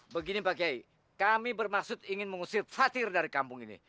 begini pak kiai kami bermaksud ingin mengusir fatir dari kampung ini